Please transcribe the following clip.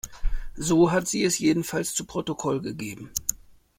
So hat sie es jedenfalls zu Protokoll gegeben.